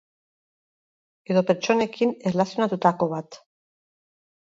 edo pertsonekin erlazionatutako bat